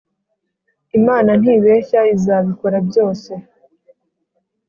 Imana ntibeshya izabikora byose